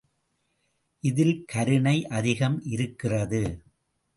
இதில் கருணை அதிகம் இருக்கிறது!